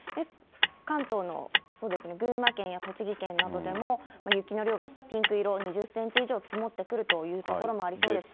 関東の、そうですね、群馬県や栃木県などでも雪の量がピンク色、２０センチ以上積もってくるという所もありそうですし。